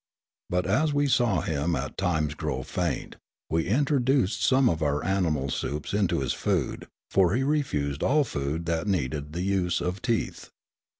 But, as we saw him at times grow faint, we introduced some of our animal soups into his food — for he refused all food that needed the use of teeth.